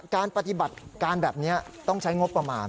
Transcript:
การปฏิบัติการแบบนี้ต้องใช้งบประมาณ